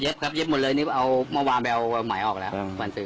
เย็บครับเย็บหมดเลยนี่เอามาวางไปเอาไหมออกแล้วขวานซื้อ